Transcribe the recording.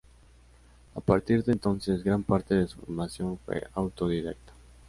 A partir de entonces gran parte de su formación fue autodidacta.